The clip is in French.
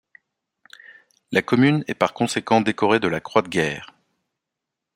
La commune est par conséquent décorée de la Croix de guerre.